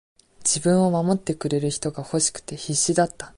自分を守ってくれる人が欲しくて、必死だった。